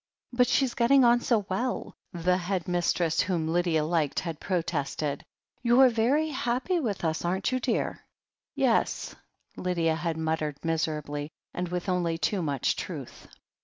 "But she's getting on so well!" the head mistress, whom Lydia liked, had protested. "You're very happy with us, aren't you, dear ?" '^Yes," Lydia had muttered miserably, and with only too much truth.